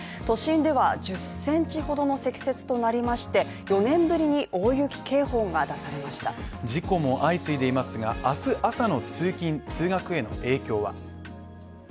都心では１０センチほどの積雪となりまして４年ぶりに大雪警報が出されました事故も相次いでいますが、あす朝の通勤、通学への影響は。